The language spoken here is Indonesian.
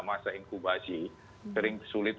masa inkubasi sering sulit